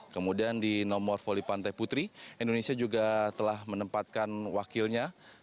kemudian di nomor voli pantai putri indonesia juga telah menempatkan wakilnya